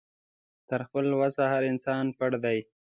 تر خپله وسه هر انسان پړ دی